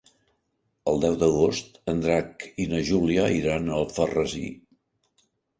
El deu d'agost en Drac i na Júlia iran a Alfarrasí.